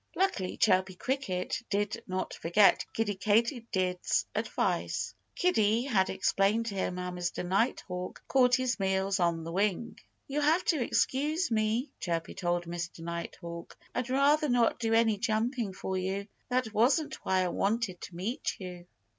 Luckily Chirpy Cricket did not forget Kiddie Katydid's advice. Kiddie had explained to him how Mr. Nighthawk caught his meals on the wing. "You'll have to excuse me," Chirpy told Mr. Nighthawk. "I'd rather not do any jumping for you. That wasn't why I wanted to meet you."